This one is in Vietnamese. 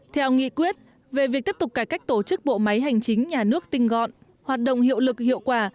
theo nghị quyết về việc tiếp tục cải cách tổ chức bộ máy hành chính nhà nước tinh gọn hoạt động hiệu lực hiệu quả